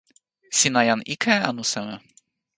sina jan ike anu seme?